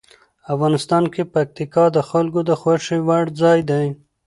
افغانستان کې پکتیکا د خلکو د خوښې وړ ځای دی.